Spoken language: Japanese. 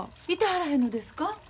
いてはらへんのですか？